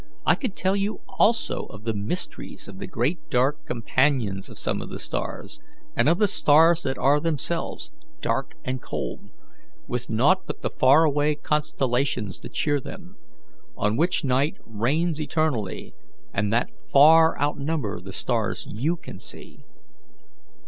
I could tell you also of the mysteries of the great dark companions of some of the stars, and of the stars that are themselves dark and cold, with naught but the faraway constellations to cheer them, on which night reigns eternally, and that far outnumber the stars you can see.